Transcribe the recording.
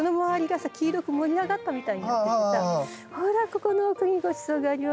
ここの奥にごちそうがあります